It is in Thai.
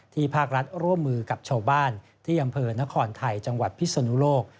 ภาครัฐร่วมมือกับชาวบ้านที่อำเภอนครไทยจังหวัดพิศนุโลก